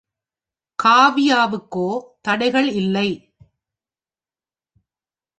காவ்யாவிற்கோ தடைகள் இல்லை.